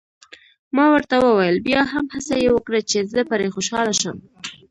ما ورته وویل: بیا هم هڅه یې وکړه، چې زه پرې خوشحاله شم.